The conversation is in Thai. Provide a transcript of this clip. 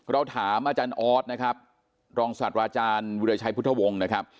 เราถามอาจารย์ออสนะครับรองศาสตราอาจารย์วิราชัยพุทธวงศ์นะครับ